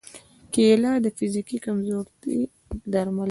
کېله د فزیکي کمزورۍ درمل ده.